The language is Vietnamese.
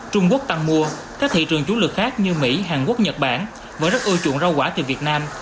trung quốc tăng mua các thị trường chủ lực khác như mỹ hàn quốc nhật bản vẫn rất ưa chuộng rau quả từ việt nam